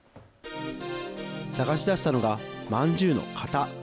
探し出したのがまんじゅうの型。